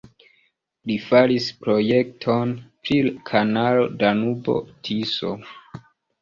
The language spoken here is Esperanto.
Li faris projekton pri kanalo Danubo-Tiso.